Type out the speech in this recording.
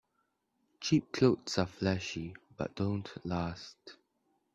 Cheap clothes are flashy but don't last.